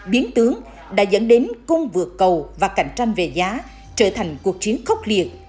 biến tướng đã dẫn đến cung vượt cầu và cạnh tranh về giá trở thành cuộc chiến khốc liệt